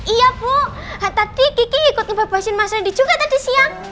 iya bu tadi kiki ikut ngebebasin mas rendy juga tadi siang